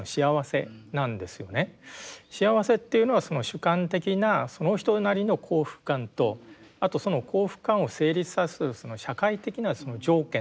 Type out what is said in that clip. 幸せっていうのは主観的なその人なりの幸福感とあとその幸福感を成立させる社会的なその条件ですよね。